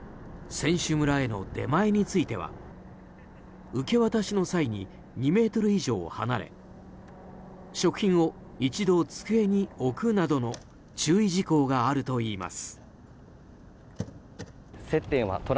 選手村への出前については受け渡しの際に２ｍ以上離れ食品を一度机に置くなどの注意事項があるといいます。